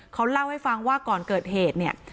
เขาเล่าให้ฟังว่าก่อนเกิดเหตุเนี่ย